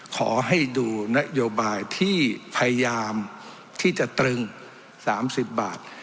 ขอให้ดูนโยบายที่พยายามที่จะตรึง๓๐บาท